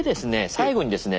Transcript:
最後にですね